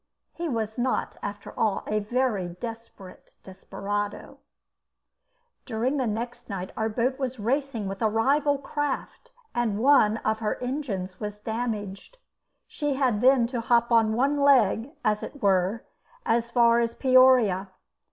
He was not, after all, a very desperate desperado. During the next night our boat was racing with a rival craft, and one of her engines was damaged. She had then to hop on one leg, as it were, as far as Peoria.